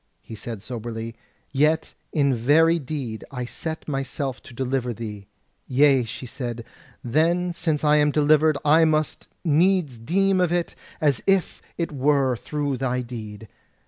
He said soberly: "Yet in very deed I set myself to deliver thee." "Yea," she said, "then since I am delivered, I must needs deem of it as if it were through thy deed.